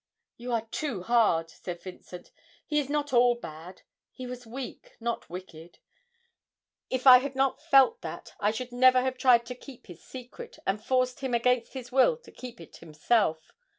'You are too hard,' said Vincent, 'he is not all bad, he was weak not wicked; if I had not felt that, I should never have tried to keep his secret, and forced him, against his will, to keep it himself.